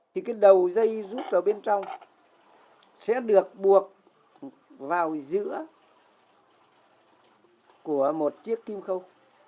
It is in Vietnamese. thì cái đầu dây rút ở bên trong sẽ được buộc vào giữa của một chiếc kim khâu